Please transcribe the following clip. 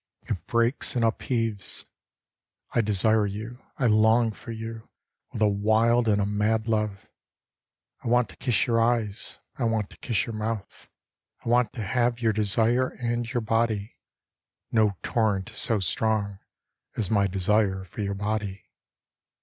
It breaks and upheaves. I desire you, I long for you With a wild and a mad love. I want to kiss your eyes, I want to kiss your mouth, I want to have Your desire and your body ; No torrent is so strong As my desire for your body.